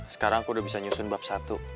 sekarang aku udah bisa nyusun bab satu